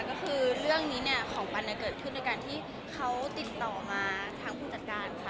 ก็คือเรื่องนี้เนี่ยของปันเกิดขึ้นโดยการที่เขาติดต่อมาทางผู้จัดการค่ะ